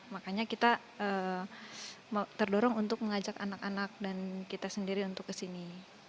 makanya kita terdorong untuk mengajak anak anak dan kita sendiri untuk kesini